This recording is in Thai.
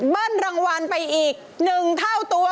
เบิ้ลรางวัลไปอีก๑เท่าตัว